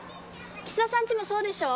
岸田さん家もそうでしょ？